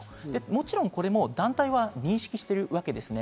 もちろんこれは団体は認識しているわけです。